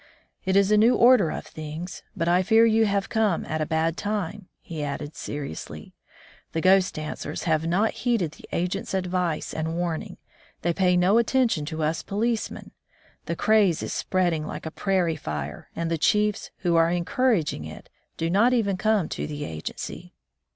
It is a new order of things. But I fear you have come at a bad time/' he added seriously. ''The Ghost dancers have not heeded the agent's advice and warning. They pay no attention to us policemen. The craze is spreading like a prairie fire, and the chiefs who are encouraging it do not even come to the agency.